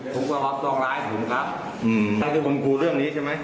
ผมว่าบอสตรองร้ายถูกครับอืมถ้าคุณคุมครูเรื่องนี้ใช่ไหม